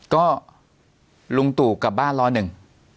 ก็ลุงตู่กลับบ้านร้อยหนึ่ง